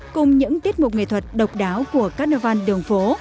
cùng những tiết mục nghệ thuật độc đáo của cát nao văn đường phố